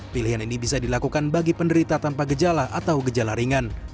pilihan ini bisa dilakukan bagi penderita tanpa gejala atau gejala ringan